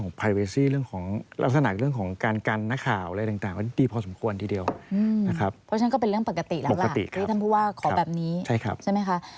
นั้นก็เป็นเรื่องปกติแล้วด้วยค่ะท่านพูดว่าขอแบบนี้ใช่ไหมคะ